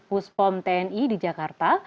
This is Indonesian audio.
puspom tni di jakarta